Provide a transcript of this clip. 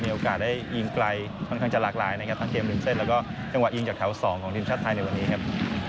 โอกาสได้ยิงไกลค่อนข้างจะหลากหลายนะครับทั้งเกมริมเส้นแล้วก็จังหวะยิงจากแถว๒ของทีมชาติไทยในวันนี้ครับ